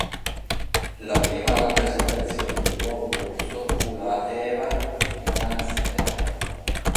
La prima rappresentazione del nuovo corso fu la "Eva" di Franz Lehár.